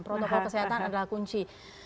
protokol kesehatan adalah kunci